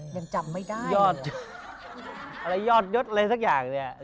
เป็นยอดยอดยดอะไรสักอย่างเนี่ย